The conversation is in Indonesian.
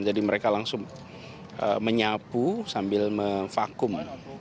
jadi mereka langsung menyapu sambil memvakum